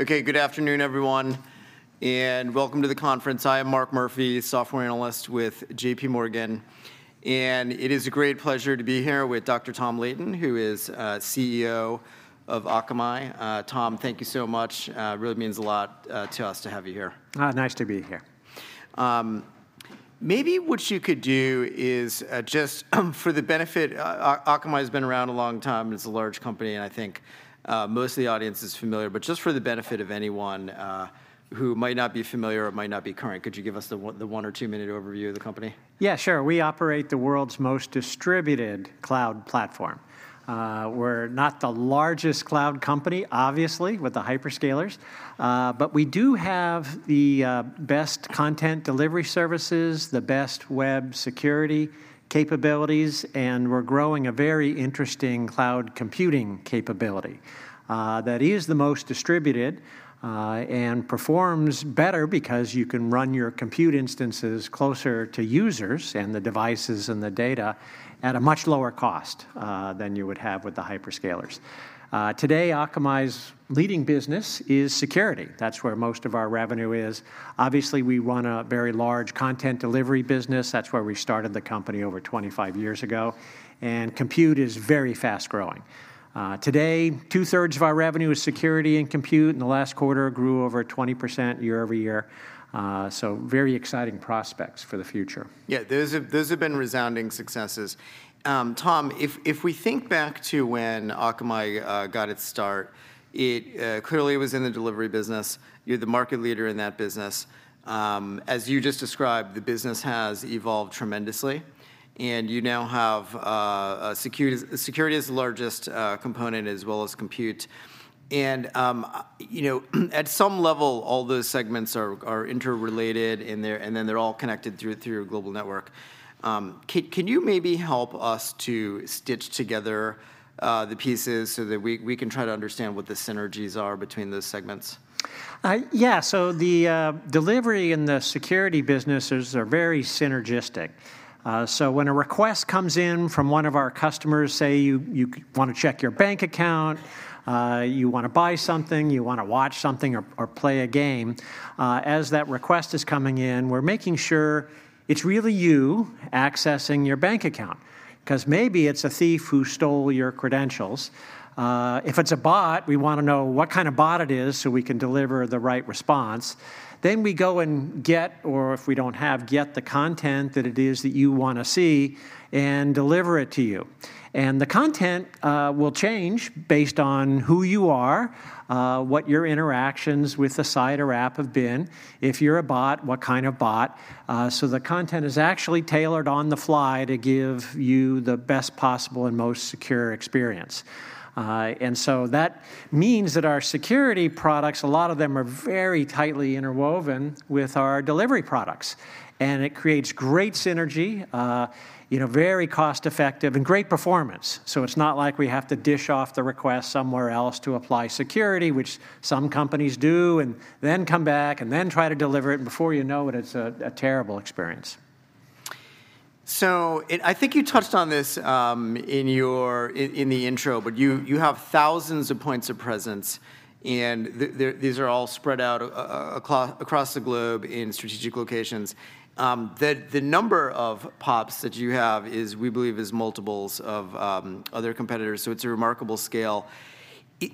Okay, good afternoon, everyone, and welcome to the conference. I am Mark Murphy, software analyst with J.P. Morgan, and it is a great pleasure to be here with Dr. Tom Leighton, who is CEO of Akamai. Tom, thank you so much. Really means a lot to us to have you here. Nice to be here. Maybe what you could do is, just for the benefit, Akamai has been around a long time, and it's a large company, and I think most of the audience is familiar. But just for the benefit of anyone who might not be familiar or might not be current, could you give us the one or two-minute overview of the company? Yeah, sure. We operate the world's most distributed cloud platform. We're not the largest cloud company, obviously, with the hyperscalers, but we do have the best content delivery services, the best web security capabilities, and we're growing a very interesting cloud computing capability that is the most distributed and performs better because you can run your compute instances closer to users and the devices and the data at a much lower cost than you would have with the hyperscalers. Today, Akamai's leading business is security. That's where most of our revenue is. Obviously, we run a very large content delivery business. That's where we started the company over 25 years ago, and compute is very fast-growing. Today, two-third of our revenue is security and compute, and the last quarter grew over 20% year-over-year. So very exciting prospects for the future. Yeah, those have, those have been resounding successes. Tom, if, if we think back to when Akamai got its start, it clearly was in the delivery business. You're the market leader in that business. As you just described, the business has evolved tremendously, and you now have security, security is the largest component as well as compute. You know, at some level, all those segments are interrelated, and they're... and then they're all connected through your global network. Can you maybe help us to stitch together the pieces so that we can try to understand what the synergies are between those segments? Yeah. So the delivery and the security businesses are very synergistic. So when a request comes in from one of our customers, say, you wanna check your bank account, you wanna buy something, you wanna watch something or play a game, as that request is coming in, we're making sure it's really you accessing your bank account 'cause maybe it's a thief who stole your credentials. If it's a bot, we wanna know what kind of bot it is, so we can deliver the right response. Then we go and get, or if we don't have, get the content that it is that you wanna see and deliver it to you. And the content will change based on who you are, what your interactions with the site or app have been. If you're a bot, what kind of bot? The content is actually tailored on the fly to give you the best possible and most secure experience. So that means that our security products, a lot of them are very tightly interwoven with our delivery products, and it creates great synergy, you know, very cost-effective and great performance. It's not like we have to dish off the request somewhere else to apply security, which some companies do, and then come back and then try to deliver it, and before you know it, it's a terrible experience. So, and I think you touched on this, in the intro, but you have thousands of points of presence, and these are all spread out across the globe in strategic locations. The number of POPs that you have is, we believe, multiples of other competitors, so it's a remarkable scale.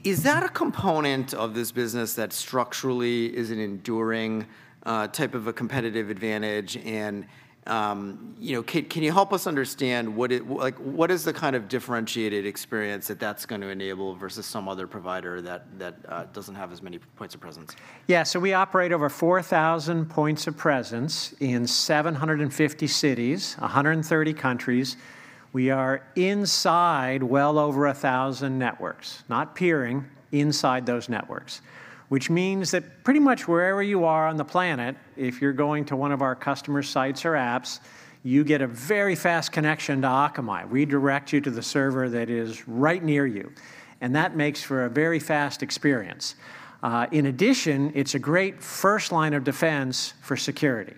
Is that a component of this business that structurally is an enduring type of a competitive advantage? And, you know, can you help us understand what it like, what is the kind of differentiated experience that that's gonna enable versus some other provider that doesn't have as many points of presence? Yeah. So we operate over 4,000 points of presence in 750 cities, 130 countries. We are inside well over 1,000 networks, not peering, inside those networks, which means that pretty much wherever you are on the planet, if you're going to one of our customer sites or apps, you get a very fast connection to Akamai. We direct you to the server that is right near you, and that makes for a very fast experience. In addition, it's a great first line of defense for security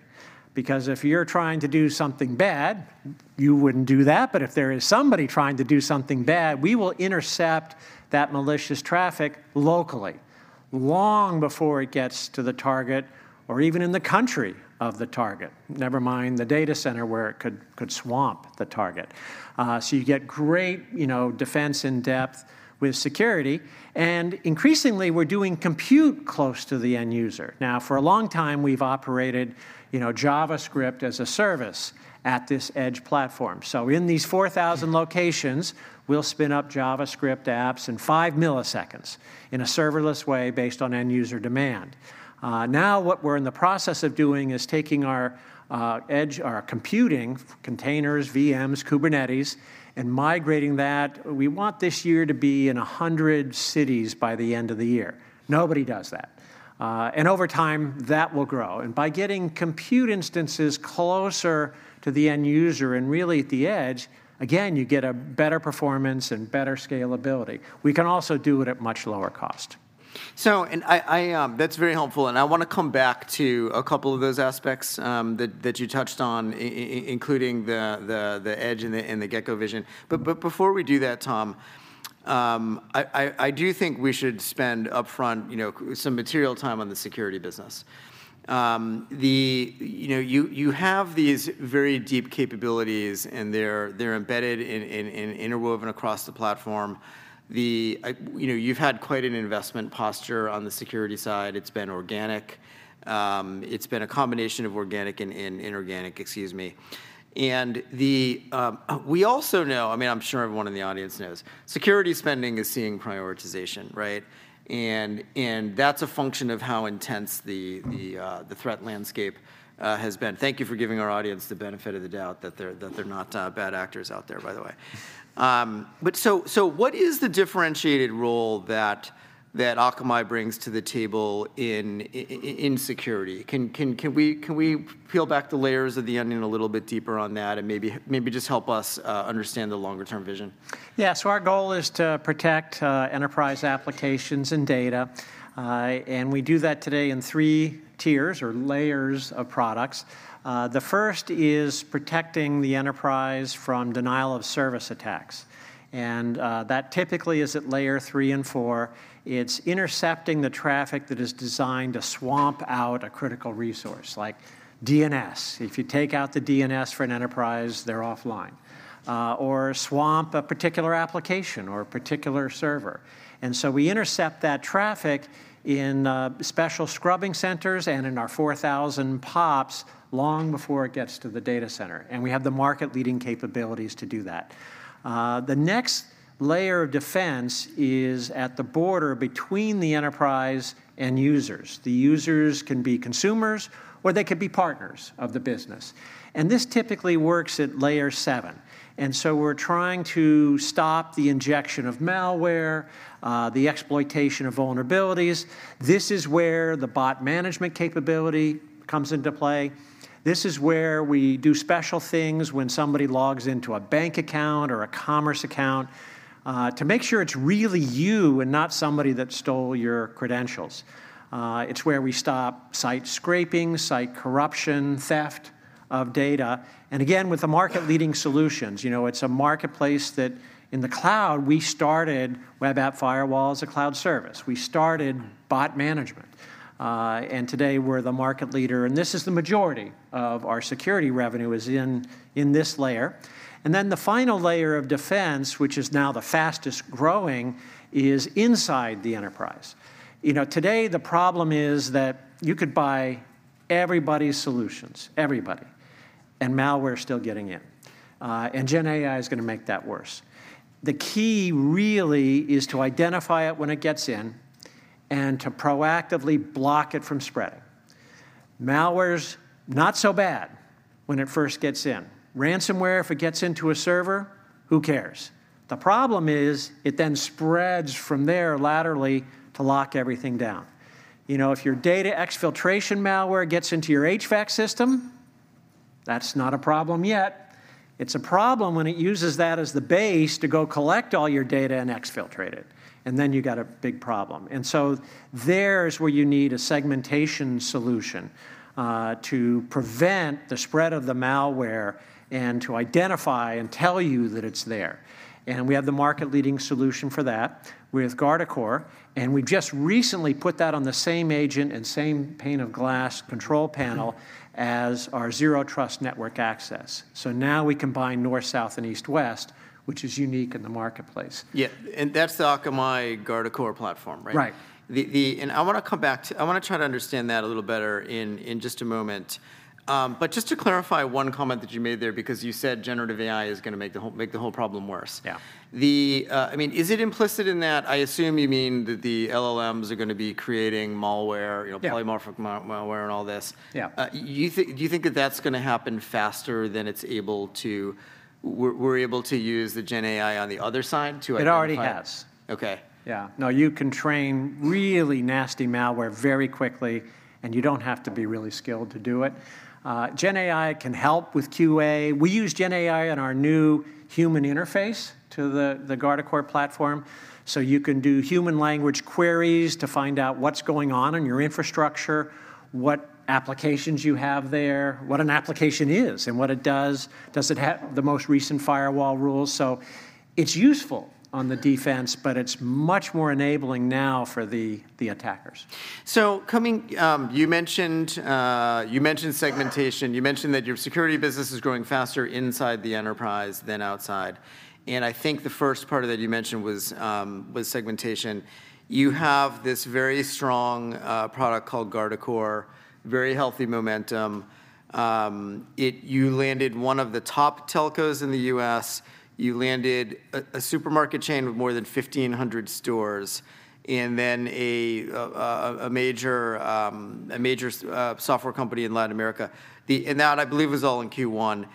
because if you're trying to do something bad, you wouldn't do that, but if there is somebody trying to do something bad, we will intercept that malicious traffic locally, long before it gets to the target or even in the country of the target, never mind the data center where it could swamp the target. So you get great, you know, defense in depth with security, and increasingly, we're doing compute close to the end user. Now, for a long time, we've operated, you know, JavaScript as a service at this edge platform. So in these 4,000 locations, we'll spin up JavaScript apps in five ms in a serverless way based on end-user demand. Now, what we're in the process of doing is taking our edge, our computing containers, VMs, Kubernetes, and migrating that. We want this year to be in 100 cities by the end of the year. Nobody does that. And over time, that will grow. And by getting compute instances closer to the end user and really at the edge, again, you get a better performance and better scalability. We can also do it at much lower cost. That's very helpful, and I want to come back to a couple of those aspects that you touched on, including the edge and the Gecko Vision. But before we do that, Tom, I do think we should spend upfront, you know, some material time on the security business. You know, you have these very deep capabilities, and they're embedded in interwoven across the platform. You know, you've had quite an investment posture on the security side. It's been organic. It's been a combination of organic and inorganic, excuse me. And we also know, I mean, I'm sure everyone in the audience knows, security spending is seeing prioritization, right? That's a function of how intense the threat landscape has been. Thank you for giving our audience the benefit of the doubt that they're not bad actors out there, by the way. But so what is the differentiated role that Akamai brings to the table in security? Can we peel back the layers of the onion a little bit deeper on that, and maybe just help us understand the longer-term vision? Yeah. So our goal is to protect enterprise applications and data, and we do that today in three tiers or layers of products. The first is protecting the enterprise from denial-of-service attacks, and that typically is at Layer three and four. It's intercepting the traffic that is designed to swamp out a critical resource, like DNS. If you take out the DNS for an enterprise, they're offline, or swamp a particular application or a particular server. And so we intercept that traffic in special scrubbing centers and in our 4,000 POPs long before it gets to the data center, and we have the market-leading capabilities to do that. The next layer of defense is at the border between the enterprise and users. The users can be consumers, or they could be partners of the business, and this typically works at Layer seven, and so we're trying to stop the injection of malware, the exploitation of vulnerabilities. This is where the bot management capability comes into play. This is where we do special things when somebody logs into a bank account or a commerce account, to make sure it's really you and not somebody that stole your credentials. It's where we stop site scraping, site corruption, theft of data, and again, with the market-leading solutions, you know, it's a marketplace that, in the cloud, we started web app firewall as a cloud service. We started bot management, and today we're the market leader, and this is the majority of our security revenue is in, in this layer. And then the final layer of defense, which is now the fastest-growing, is inside the enterprise. You know, today the problem is that you could buy everybody's solutions, everybody, and malware is still getting in, and Gen AI is gonna make that worse. The key really is to identify it when it gets in and to proactively block it from spreading. Malware's not so bad when it first gets in. Ransomware, if it gets into a server, who cares? The problem is it then spreads from there laterally to lock everything down. You know, if your data exfiltration malware gets into your HVAC system, that's not a problem yet. It's a problem when it uses that as the base to go collect all your data and exfiltrate it, and then you got a big problem. There's where you need a segmentation solution to prevent the spread of the malware and to identify and tell you that it's there, and we have the market-leading solution for that with Guardicore, and we've just recently put that on the same agent and same pane of glass control panel as our zero trust network access. So now we combine north, south, and east, west, which is unique in the marketplace. Yeah, and that's the Akamai Guardicore Platform, right? Right. And I wanna come back to, I wanna try to understand that a little better in just a moment. But just to clarify one comment that you made there, because you said generative AI is gonna make the whole problem worse. Yeah. I mean, is it implicit in that? I assume you mean that the LLMs are gonna be creating malware- Yeah... polymorphic malware and all this. Yeah. Do you think that that's gonna happen faster than it's able to... we're able to use the Gen AI on the other side to identify- It already has. Okay. Yeah. No, you can train really nasty malware very quickly, and you don't have to be really skilled to do it. Gen AI can help with QA. We use Gen AI in our new human interface to the Guardicore platform, so you can do human language queries to find out what's going on in your infrastructure, what applications you have there, what an application is, and what it does. Does it have the most recent firewall rules? So it's useful on the defense, but it's much more enabling now for the attackers. So coming, you mentioned, you mentioned segmentation. You mentioned that your security business is growing faster inside the enterprise than outside, and I think the first part of that you mentioned was segmentation. You have this very strong product called Guardicore, very healthy momentum. You landed one of the top telcos in the U.S., you landed a supermarket chain with more than 1,500 stores, and then a major software company in Latin America. And that, I believe, was all in Q1.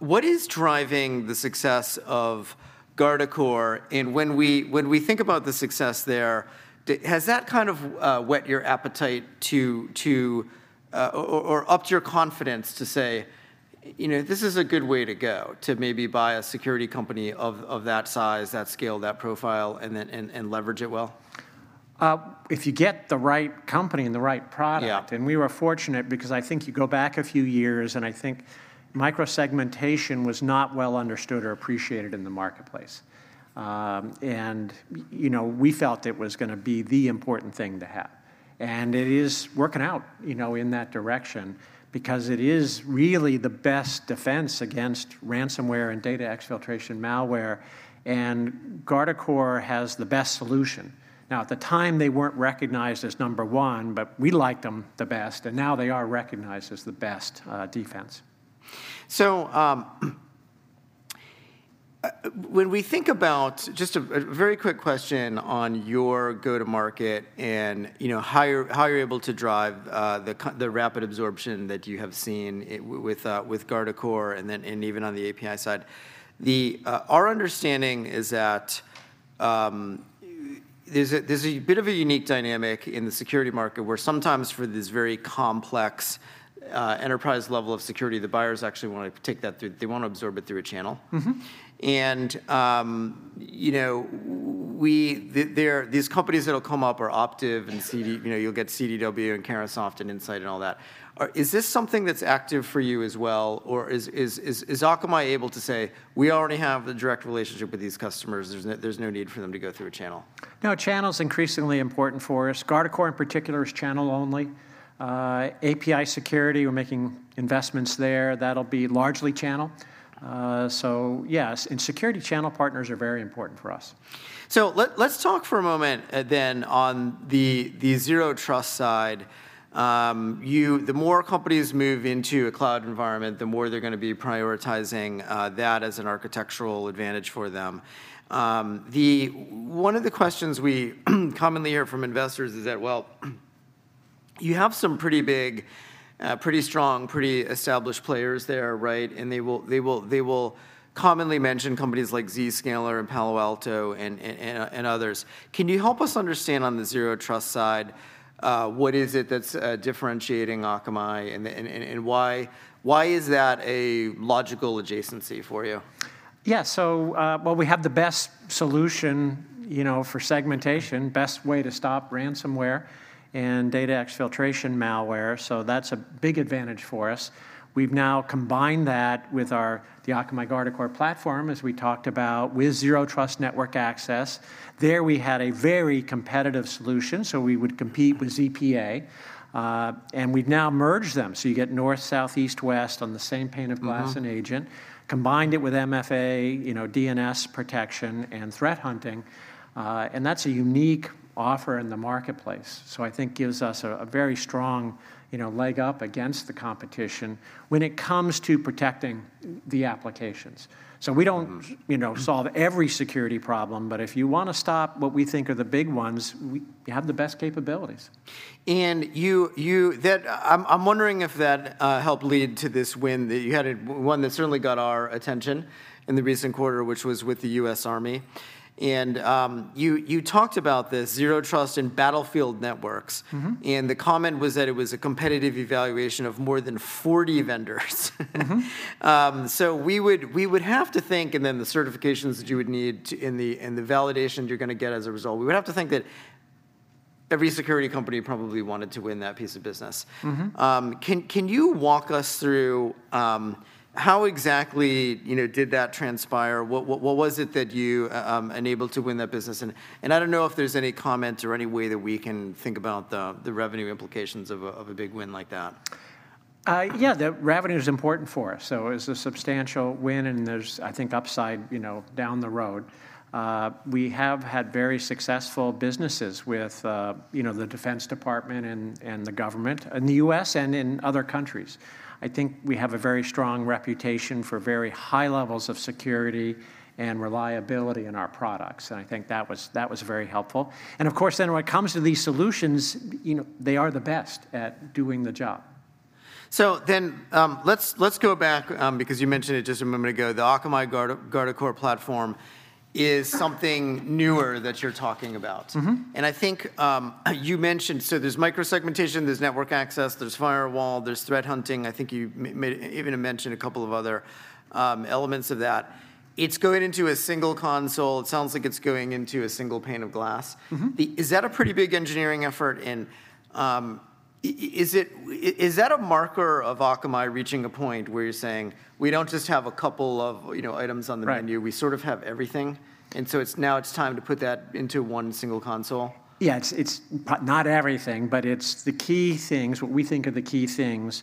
What is driving the success of Guardicore? And when we think about the success there, has that kind of whet your appetite or upped your confidence to say, "You know, this is a good way to go," to maybe buy a security company of that size, that scale, that profile, and then leverage it well?... if you get the right company and the right product- Yeah. We were fortunate, because I think you go back a few years, and I think micro-segmentation was not well understood or appreciated in the marketplace. You know, we felt it was gonna be the important thing to have. And it is working out, you know, in that direction, because it is really the best defense against ransomware and data exfiltration malware, and Guardicore has the best solution. Now, at the time, they weren't recognized as number one, but we liked them the best, and now they are recognized as the best defense. So, when we think about... Just a very quick question on your go-to-market and, you know, how you're able to drive the rapid absorption that you have seen with Guardicore, and then even on the API side. Our understanding is that there's a bit of a unique dynamic in the security market, where sometimes for this very complex enterprise level of security, the buyers actually wanna take that through, they wanna absorb it through a channel. Mm-hmm. And, you know, these companies that'll come up are Optiv and CDW. Mm-hmm. You know, you'll get CDW and Carahsoft and Insight and all that. Is this something that's active for you as well, or is Akamai able to say, "We already have the direct relationship with these customers, there's no need for them to go through a channel? No, channel's increasingly important for us. Guardicore, in particular, is channel only. API Security, we're making investments there. That'll be largely channel. So yes, and security channel partners are very important for us. So let's talk for a moment, then on the zero trust side. The more companies move into a cloud environment, the more they're gonna be prioritizing that as an architectural advantage for them. One of the questions we commonly hear from investors is that, "Well, you have some pretty big, pretty strong, pretty established players there, right?" And they will commonly mention companies like Zscaler and Palo Alto and others. Can you help us understand, on the zero trust side, what is it that's differentiating Akamai, and why is that a logical adjacency for you? Yeah, so, well, we have the best solution, you know, for segmentation, best way to stop ransomware and data exfiltration malware, so that's a big advantage for us. We've now combined that with our, the Akamai Guardicore Platform, as we talked about, with zero trust network access. There, we had a very competitive solution, so we would compete with ZPA. And we've now merged them, so you get north, south, east, west on the same pane of glass- Mm-hmm... and agent, combined it with MFA, you know, DNS protection, and threat hunting. And that's a unique offer in the marketplace, so I think gives us a very strong, you know, leg up against the competition when it comes to protecting the applications. Mm-hmm. We don't, you know, solve every security problem, but if you wanna stop what we think are the big ones, we have the best capabilities. You, I'm wondering if that helped lead to this win that you had, one that certainly got our attention in the recent quarter, which was with the U.S. Army. You talked about this, zero trust in battlefield networks. Mm-hmm. The comment was that it was a competitive evaluation of more than 40 vendors. Mm-hmm. So we would have to think, and then the certifications that you would need to and the validation you're gonna get as a result, we would have to think that every security company probably wanted to win that piece of business. Mm-hmm. Can you walk us through how exactly, you know, did that transpire? What was it that you enabled to win that business? And I don't know if there's any comment or any way that we can think about the revenue implications of a big win like that. Yeah, the revenue is important for us, so it's a substantial win, and there's, I think, upside, you know, down the road. We have had very successful businesses with, you know, the Defense Department and the government, in the U.S. and in other countries. I think we have a very strong reputation for very high levels of security and reliability in our products, and I think that was very helpful. Of course, then when it comes to these solutions, you know, they are the best at doing the job. So then, let's go back, because you mentioned it just a moment ago, the Akamai Guardicore platform is something newer that you're talking about. Mm-hmm. I think you mentioned, so there's micro-segmentation, there's network access, there's firewall, there's threat hunting. I think you even mentioned a couple of other elements of that. It's going into a single console. It sounds like it's going into a single pane of glass. Mm-hmm. Is that a pretty big engineering effort, and, is that a marker of Akamai reaching a point where you're saying, "We don't just have a couple of, you know, items on the menu- Right... we sort of have everything, and so it's, now it's time to put that into one single console? Yeah, it's not everything, but it's the key things, what we think are the key things.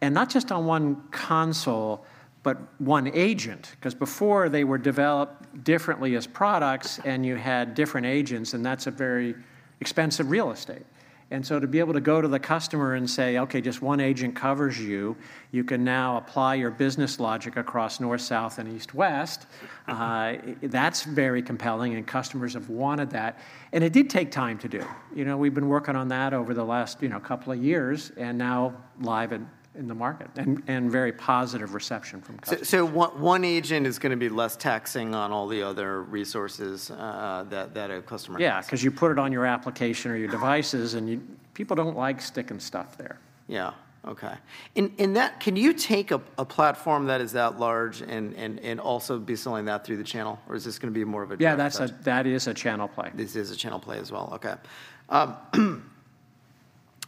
And not just on one console, but one agent, 'cause before they were developed differently as products, and you had different agents, and that's a very expensive real estate. And so to be able to go to the customer and say, "Okay, just one agent covers you, you can now apply your business logic across North-South and East-West," that's very compelling, and customers have wanted that. And it did take time to do. You know, we've been working on that over the last, you know, couple of years, and now live in the market, and very positive reception from customers. So one agent is gonna be less taxing on all the other resources, that a customer has- Yeah, 'cause you put it on your application or your devices, and you people don't like sticking stuff there. Yeah. Okay. In that, can you take a platform that is that large and also be selling that through the channel? Or is this gonna be more of a- Yeah, that's a channel play. This is a channel play as well. Okay.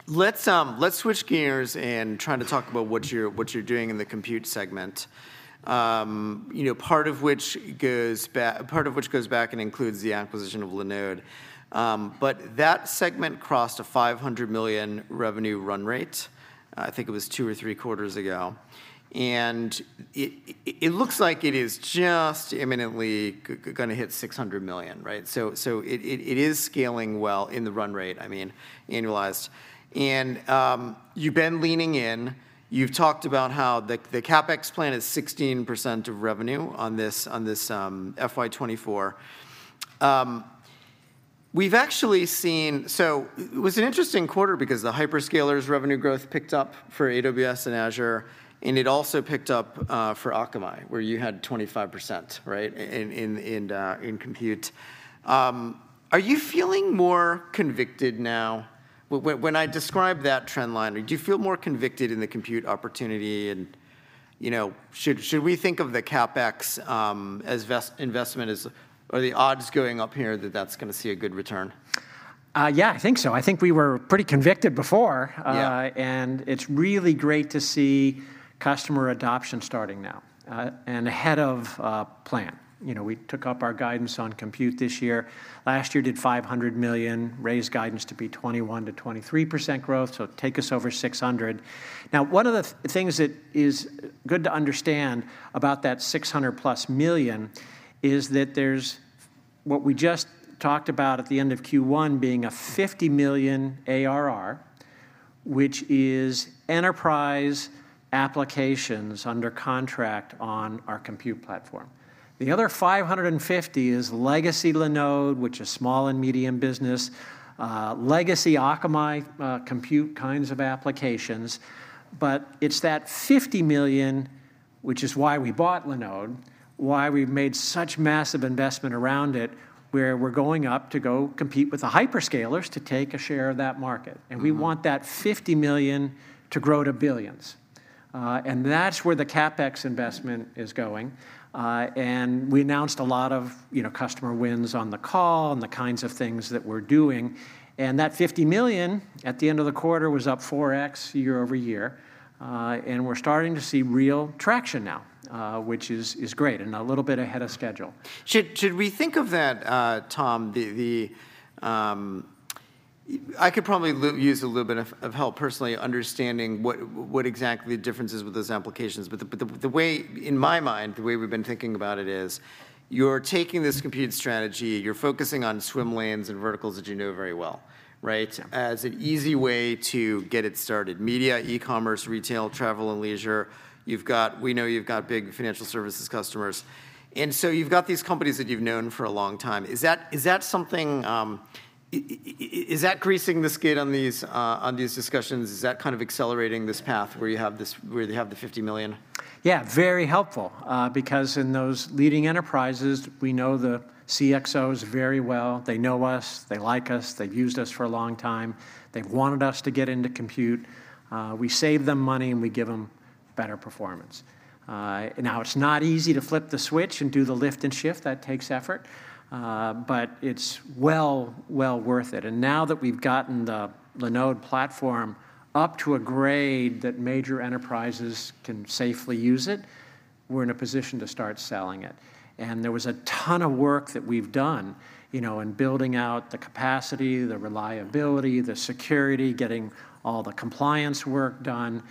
Let's switch gears and try to talk about what you're doing in the compute segment. You know, part of which goes back and includes the acquisition of Linode. But that segment crossed a $500 million revenue run rate, I think it was two or three quarters ago, and it looks like it is just imminently gonna hit $600 million, right? So it is scaling well in the run rate, I mean, annualized. And you've been leaning in, you've talked about how the CapEx plan is 16% of revenue on this, on this FY 2024. We've actually seen... So it was an interesting quarter because the hyperscalers revenue growth picked up for AWS and Azure, and it also picked up for Akamai, where you had 25%, right? Yeah... in compute. Are you feeling more convicted now? When I describe that trend line, do you feel more convicted in the compute opportunity? And, you know, should we think of the CapEx as vested investment as... Are the odds going up here that that's gonna see a good return? Yeah, I think so. I think we were pretty convicted before. Yeah. And it's really great to see customer adoption starting now, and ahead of plan. You know, we took up our guidance on compute this year. Last year, did $500 million, raised guidance to be 21%-23% growth, so take us over $600 million. Now, one of the things that is good to understand about that $600 million+ is that there's what we just talked about at the end of Q1 being a $50 million ARR, which is enterprise applications under contract on our compute platform. The other $550 million is legacy Linode, which is small and medium business, legacy Akamai, compute kinds of applications. It's that $50 million, which is why we bought Linode, why we've made such massive investment around it, where we're going up to go compete with the hyperscalers to take a share of that market. Mm-hmm. We want that $50 million to grow to billions. That's where the CapEx investment is going. We announced a lot of, you know, customer wins on the call and the kinds of things that we're doing. That $50 million, at the end of the quarter, was up 4x year-over-year. We're starting to see real traction now, which is great and a little bit ahead of schedule. Should we think of that, Tom? I could probably use a little bit of help personally understanding what exactly the difference is with those applications. But the way, in my mind, the way we've been thinking about it is, you're taking this compute strategy, you're focusing on swim lanes and verticals that you know very well, right? Yeah. As an easy way to get it started, media, e-commerce, retail, travel and leisure. You've got, we know you've got big financial services customers, and so you've got these companies that you've known for a long time. Is that, is that something, is that greasing the skids on these, on these discussions? Is that kind of accelerating this path where you have this, where you have the $50 million? Yeah, very helpful, because in those leading enterprises, we know the CXOs very well. They know us, they like us, they've used us for a long time. They've wanted us to get into compute. We save them money, and we give them better performance. Now, it's not easy to flip the switch and do the lift and shift, that takes effort, but it's well, well worth it. And now that we've gotten the Linode platform up to a grade that major enterprises can safely use it, we're in a position to start selling it. And there was a ton of work that we've done, you know, in building out the capacity, the reliability, the security, getting all the compliance work done,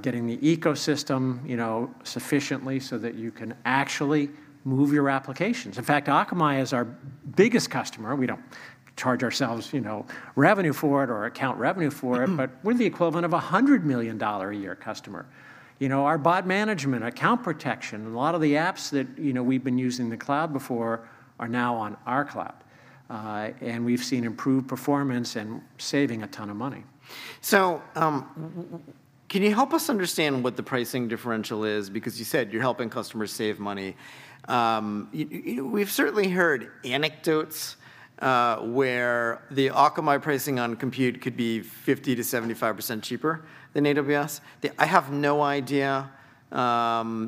getting the ecosystem, you know, sufficiently so that you can actually move your applications. In fact, Akamai is our biggest customer. We don't charge ourselves, you know, revenue for it or account revenue for it—but we're the equivalent of a $100 million-a-year customer. You know, our bot management, account protection, a lot of the apps that, you know, we've been using the cloud before are now on our cloud. And we've seen improved performance and saving a ton of money. So, can you help us understand what the pricing differential is? Because you said you're helping customers save money. We've certainly heard anecdotes where the Akamai pricing on compute could be 50%-75% cheaper than AWS. I have no idea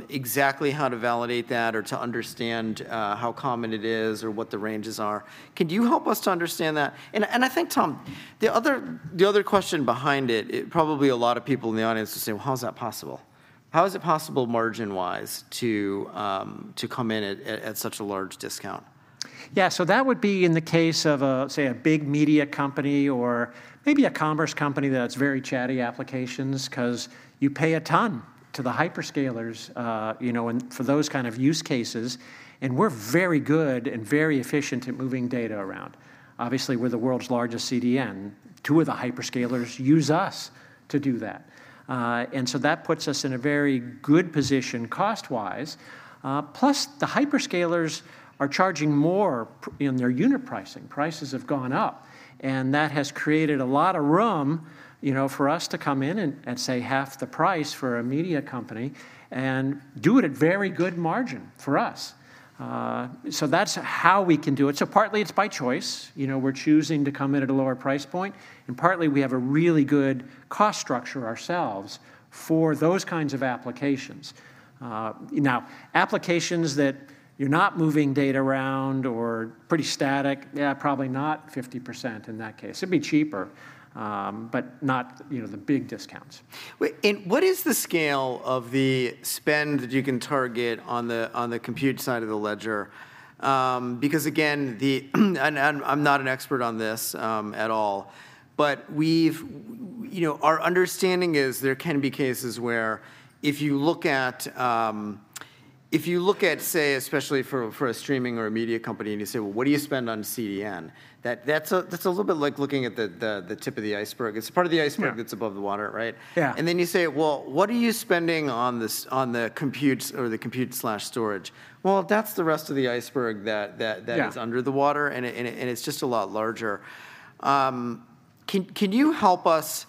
exactly how to validate that or to understand how common it is or what the ranges are. Could you help us to understand that? And I think, Tom, the other question behind it, it probably a lot of people in the audience will say, "Well, how is that possible?" How is it possible, margin-wise, to come in at such a large discount? Yeah, so that would be in the case of a, say, a big media company or maybe a commerce company that's very chatty applications, 'cause you pay a ton to the hyperscalers, you know, and for those kind of use cases, and we're very good and very efficient at moving data around. Obviously, we're the world's largest CDN. Two of the hyperscalers use us to do that. And so that puts us in a very good position cost-wise. Plus, the hyperscalers are charging more in their unit pricing. Prices have gone up, and that has created a lot of room, you know, for us to come in and say half the price for a media company and do it at very good margin for us. So that's how we can do it. So partly, it's by choice, you know, we're choosing to come in at a lower price point, and partly, we have a really good cost structure ourselves for those kinds of applications. Now, applications that you're not moving data around or pretty static, yeah, probably not 50% in that case. It'd be cheaper, but not, you know, the big discounts. And what is the scale of the spend that you can target on the, on the compute side of the ledger? Because again, and I'm not an expert on this at all, but we've—you know, our understanding is there can be cases where if you look at, say, especially for a streaming or a media company, and you say, "Well, what do you spend on CDN?" That's a little bit like looking at the tip of the iceberg. It's the part of the iceberg- Yeah... that's above the water, right? Yeah. Then you say, "Well, what are you spending on the compute or the compute/storage?" Well, that's the rest of the iceberg that... Yeah... is under the water, and it and it's just a lot larger. Can you help us?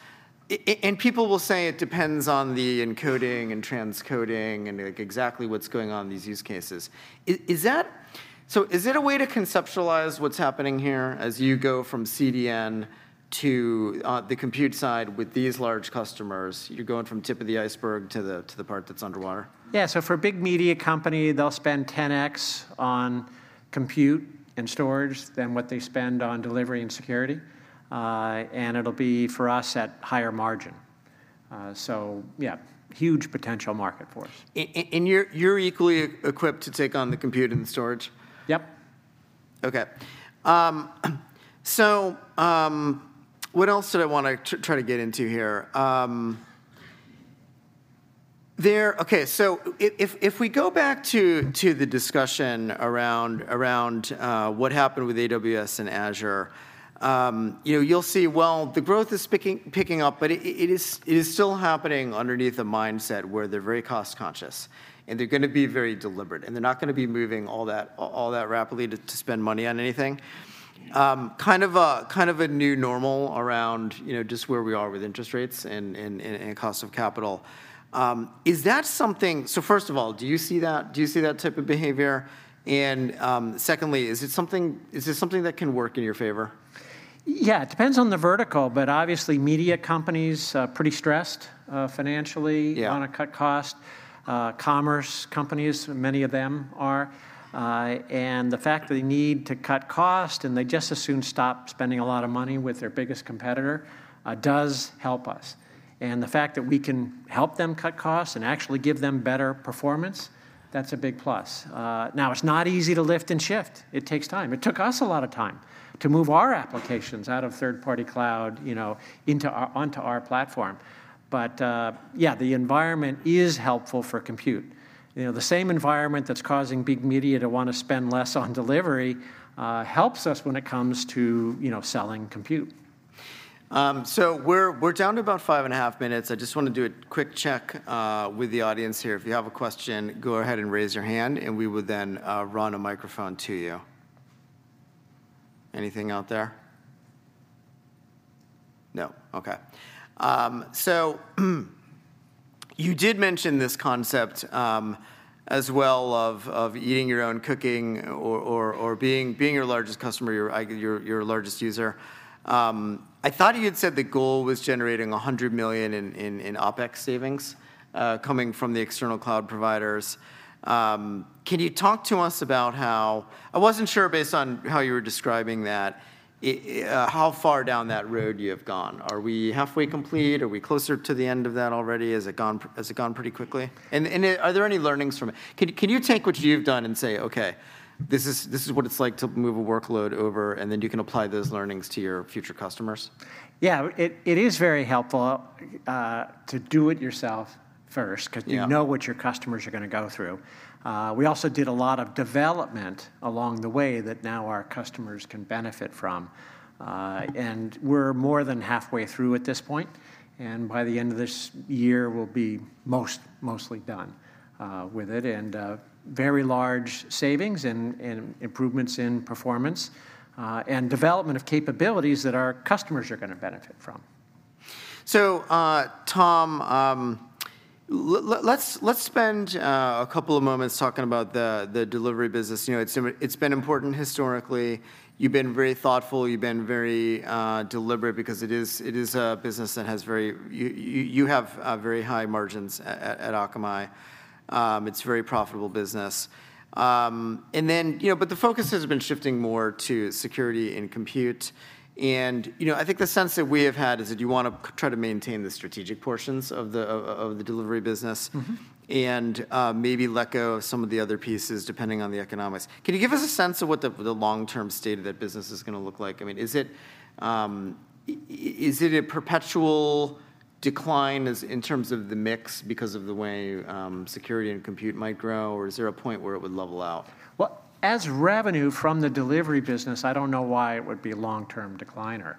I and people will say it depends on the encoding and transcoding and, like, exactly what's going on in these use cases. So is it a way to conceptualize what's happening here as you go from CDN to the compute side with these large customers? You're going from tip of the iceberg to the part that's underwater. Yeah. So for a big media company, they'll spend 10x on compute and storage than what they spend on delivery and security. And it'll be, for us, at higher margin. So yeah, huge potential market for us. You're equally equipped to take on the compute and the storage? Yep. Okay. So, what else did I want to try to get into here? Okay, so if, if we go back to the discussion around what happened with AWS and Azure, you know, you'll see, well, the growth is picking up, but it is still happening underneath a mindset where they're very cost conscious, and they're gonna be very deliberate, and they're not gonna be moving all that rapidly to spend money on anything. Kind of a new normal around, you know, just where we are with interest rates and cost of capital. Is that something... So first of all, do you see that? Do you see that type of behavior? Secondly, is it something, is this something that can work in your favor? Yeah, it depends on the vertical, but obviously, media companies are pretty stressed, financially- Yeah... want to cut cost. Commerce companies, many of them are. And the fact that they need to cut cost, and they'd just as soon stop spending a lot of money with their biggest competitor, does help us. And the fact that we can help them cut costs and actually give them better performance, that's a big plus. Now, it's not easy to lift and shift. It takes time. It took us a lot of time to move our applications out of third-party cloud, you know, into our, onto our platform. But, yeah, the environment is helpful for compute. You know, the same environment that's causing big media to want to spend less on delivery, helps us when it comes to, you know, selling compute. So we're down to about 5.5 minutes. I just want to do a quick check with the audience here. If you have a question, go ahead and raise your hand, and we will then run a microphone to you. Anything out there? No. Okay. So you did mention this concept as well of eating your own cooking or being your largest customer, your internal, your largest user. I thought you had said the goal was generating $100 million in OpEx savings coming from the external cloud providers. Can you talk to us about how... I wasn't sure, based on how you were describing that, how far down that road you have gone. Are we halfway complete? Are we closer to the end of that already? Has it gone pretty quickly? And are there any learnings from it? Can you take what you've done and say, "Okay, this is what it's like to move a workload over," and then you can apply those learnings to your future customers? Yeah, it is very helpful to do it yourself first. Yeah... 'cause you know what your customers are gonna go through. We also did a lot of development along the way that now our customers can benefit from. And we're more than halfway through at this point, and by the end of this year, we'll be mostly done with it, and very large savings and improvements in performance, and development of capabilities that our customers are gonna benefit from. So, Tom, let's spend a couple of moments talking about the delivery business. You know, it's been important historically. You've been very thoughtful, you've been very deliberate because it is a business that has very high margins at Akamai. It's a very profitable business. And then, you know, but the focus has been shifting more to security and compute, and, you know, I think the sense that we have had is that you wanna try to maintain the strategic portions of the delivery business. Mm-hmm... and, maybe let go of some of the other pieces, depending on the economics. Can you give us a sense of what the long-term state of that business is gonna look like? I mean, is it a perpetual decline in terms of the mix because of the way security and compute might grow, or is there a point where it would level out? Well, as revenue from the delivery business, I don't know why it would be a long-term decliner.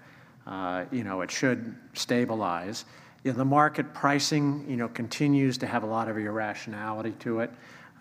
You know, it should stabilize. You know, the market pricing, you know, continues to have a lot of irrationality to it.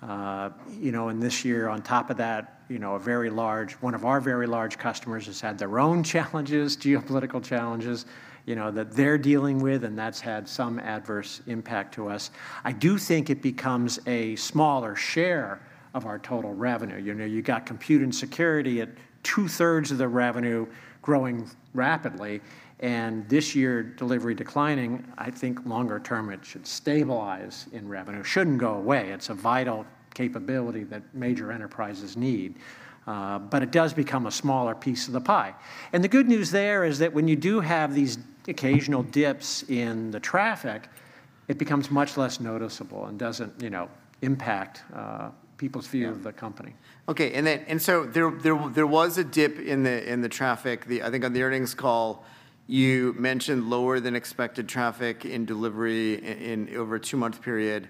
You know, and this year on top of that, you know, a very large, one of our very large customers has had their own challenges, geopolitical challenges, you know, that they're dealing with, and that's had some adverse impact to us. I do think it becomes a smaller share of our total revenue. You know, you've got compute and security at two-thirds of the revenue growing rapidly, and this year, delivery declining. I think longer term, it should stabilize in revenue. Shouldn't go away, it's a vital capability that major enterprises need, but it does become a smaller piece of the pie. The good news there is that when you do have these occasional dips in the traffic, it becomes much less noticeable and doesn't, you know, impact people's view- Yeah... of the company. Okay, and then and so there was a dip in the traffic. Then, I think on the earnings call, you mentioned lower than expected traffic in delivery in over a two-month period,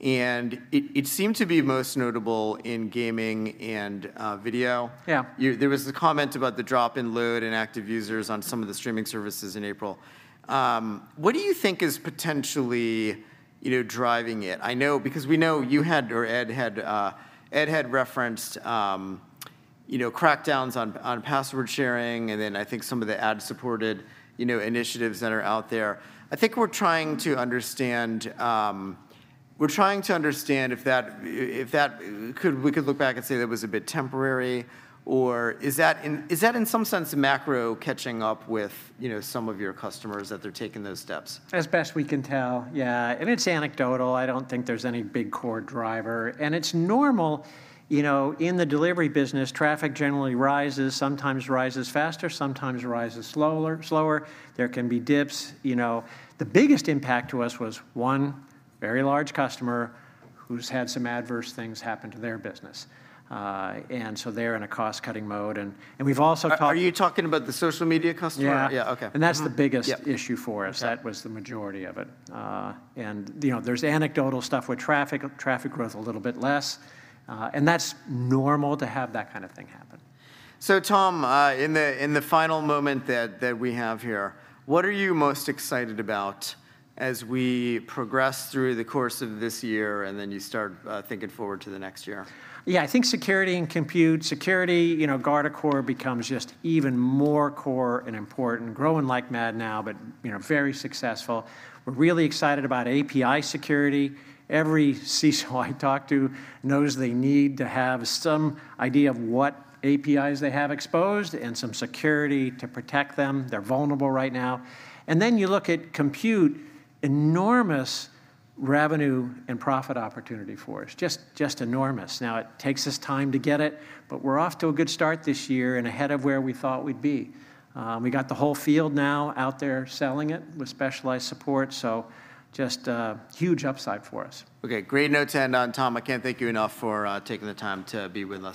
and it seemed to be most notable in gaming and video. Yeah. There was a comment about the drop in load and active users on some of the streaming services in April. What do you think is potentially, you know, driving it? I know, because we know you had, or Ed had referenced, you know, crackdowns on password sharing, and then I think some of the ad-supported, you know, initiatives that are out there. I think we're trying to understand. We're trying to understand if that could, we could look back and say that was a bit temporary, or is that in some sense macro catching up with, you know, some of your customers, that they're taking those steps? As best we can tell, yeah, and it's anecdotal. I don't think there's any big core driver, and it's normal. You know, in the delivery business, traffic generally rises, sometimes rises faster, sometimes rises slower, slower. There can be dips. You know, the biggest impact to us was one very large customer who's had some adverse things happen to their business. And so they're in a cost-cutting mode, and we've also talked- Are you talking about the social media customer? Yeah. Yeah. Okay. That's the biggest- Yep... issue for us. Okay. That was the majority of it. You know, there's anecdotal stuff where traffic, traffic growth a little bit less, and that's normal to have that kind of thing happen. So Tom, in the final moment that we have here, what are you most excited about as we progress through the course of this year, and then you start thinking forward to the next year? Yeah, I think security and compute. Security, you know, Guardicore becomes just even more core and important, growing like mad now, but, you know, very successful. We're really excited about API security. Every CSO I talk to knows they need to have some idea of what APIs they have exposed and some security to protect them. They're vulnerable right now. And then you look at compute, enormous revenue and profit opportunity for us. Just, just enormous. Now, it takes us time to get it, but we're off to a good start this year and ahead of where we thought we'd be. We got the whole field now out there selling it with specialized support, so just a huge upside for us. Okay, great note to end on. Tom, I can't thank you enough for taking the time to be with us here.